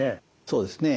そうですね。